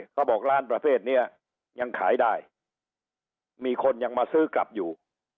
เขาบอกร้านประเภทนี้ยังขายได้มีคนยังมาซื้อกลับอยู่